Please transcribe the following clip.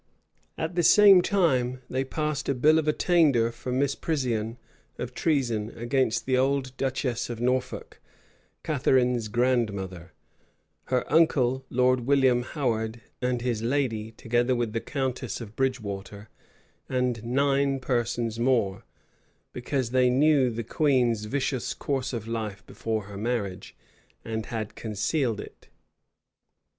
At the same time they passed a bill of attainder for misprision of treason against the old duchess of Norfolk, Catharine's grandmother; her uncle, Lord William Howard, and his lady, together with the countess of Bridgewater, and nine persons more; because they knew the queen's vicious course of life before her marriage, and had concealed it.